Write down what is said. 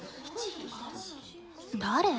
誰？